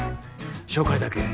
紹介だけ。